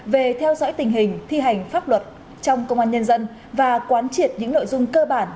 về theo dõi tình hình thi hành pháp luật trong công an nhân dân và quán triệt những nội dung cơ bản